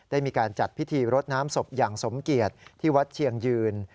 ได้มีการจัดพิธีรดน้ำศพอย่างสมเกียจที่วัดเชียงยืน